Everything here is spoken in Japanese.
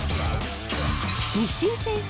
日清製粉